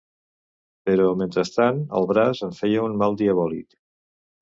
Però, mentrestant, el braç em feia un mal diabòlic